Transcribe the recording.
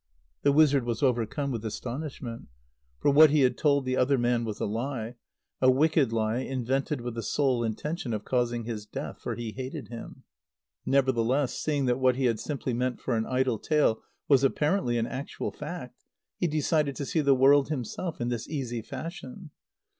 The wizard was overcome with astonishment. For what he had told the other man was a lie, a wicked lie invented with the sole intention of causing his death; for he hated him. Nevertheless, seeing that what he had simply meant for an idle tale was apparently an actual fact, he decided to see the world himself in this easy fashion.